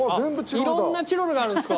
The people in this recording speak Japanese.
いろんなチロルがあるんですか。